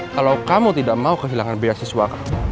kalau kamu tidak mau kehilangan biaya siswa kamu